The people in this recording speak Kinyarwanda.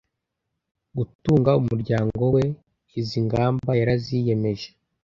gutunga umuryango we izi ngamba yaraziyemeje